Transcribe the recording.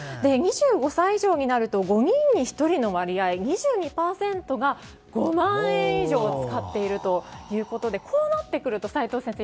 ２５歳以上になると５人に１人の割合２２％が５万円以上使っているということでこうなってくると齋藤先生